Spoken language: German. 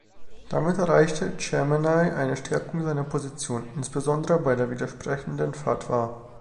Damit erreichte Chamenei eine Stärkung seiner Position, insbesondere bei widersprechenden Fatwa.